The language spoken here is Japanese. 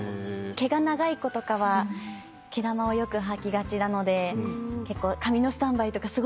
毛が長い子とかは毛玉をよく吐きがちなので紙のスタンバイとかすごく共感しました。